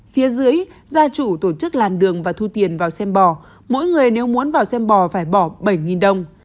phía dưới gia chủ tổ chức làn đường và thu tiền vào xem bò mỗi người nếu muốn vào xem bò phải bỏ bảy đồng